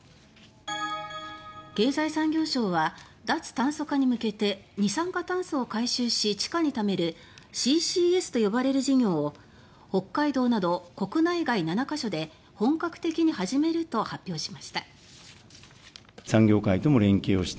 経済産業省は、脱炭素化に向けて二酸化炭素を回収し地下にためるＣＣＳと呼ばれる事業を北海道など国内外７か所で本格的に始めると発表しました。